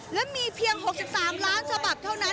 และมีเพียง๖๓ล้านฉบับเท่านั้น